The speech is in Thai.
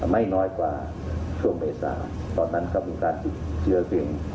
ไม่น้อยกว่าช่วงเมษาตอนนั้นเขามีการศึกเชื้อสิ่ง